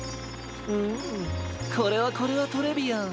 うんこれはこれはトレビアン！